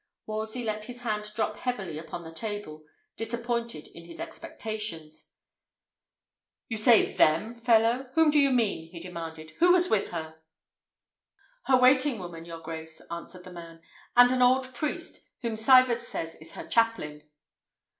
Wolsey let his hand drop heavily upon the table, disappointed in his expectations. "You say them, fellow! Whom do you mean?" he demanded. "Who was with her?" "Her waiting woman, your grace," answered the man, "and an old priest, who Sivard says is her chaplain."